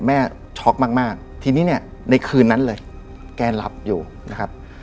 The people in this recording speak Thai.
ช็อกมากทีนี้เนี่ยในคืนนั้นเลยแกหลับอยู่นะครับ